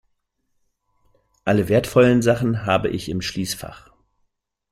Alle wertvollen Sachen habe ich im Schließfach.